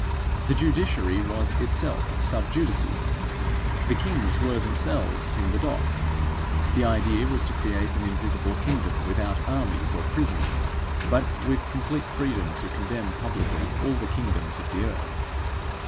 The judiciary was itself sub judice. The kings were themselves in the dock. The idea was to create an invisible kingdom, without armies or prisons, but with complete freedom to condemn publicly all the kingdoms of the earth.